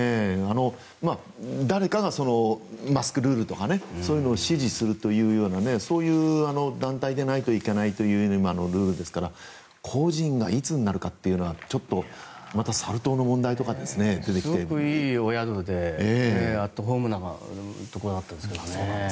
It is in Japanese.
誰かがマスクルールとかを指示するというそういう団体でないといけないというルールですから個人がいつになるかっていうのはちょっとまたサル痘の問題とかがすごく、いいお宿でアットホームなところだったんですけどね。